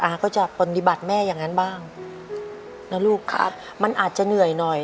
ก็จะปฏิบัติแม่อย่างนั้นบ้างนะลูกครับมันอาจจะเหนื่อยหน่อย